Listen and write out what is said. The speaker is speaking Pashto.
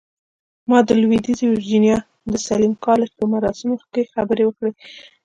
ما د لويديځې ويرجينيا د ساليم کالج په مراسمو کې خبرې وکړې.